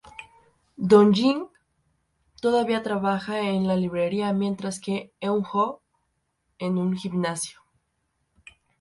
Dong-jin todavía trabaja en la librería, mientras que Eun-ho en un gimnasio.